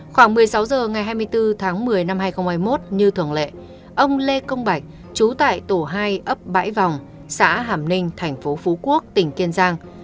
khoảng một mươi sáu h ngày hai mươi bốn tháng một mươi năm hai nghìn hai mươi một như thường lệ ông lê công bạch trú tại tổ hai ấp bãi vòng xã hàm ninh thành phố phú quốc tỉnh kiên giang